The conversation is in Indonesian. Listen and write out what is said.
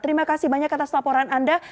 terima kasih banyak atas laporan anda